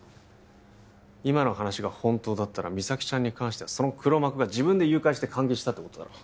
今の話が本当だったら実咲ちゃんに関してはその黒幕が自分で誘拐して監禁したってことだろ？